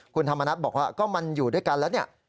คุณธรรมนัฏบอกว่าก็มันอยู่ด้วยกันแล้วเนี่ย